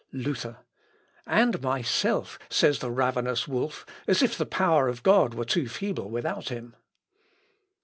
Luther. "And myself! says the ravenous wolf, as if the power of God were too feeble without him."